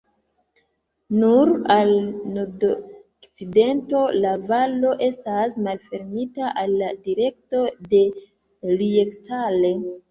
Nur al nordokcidento la valo estas malfermita al la direkto de Liestal.